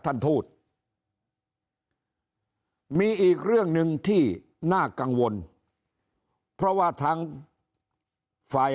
ท่านทูตมีอีกเรื่องหนึ่งที่น่ากังวลเพราะว่าทางฝ่าย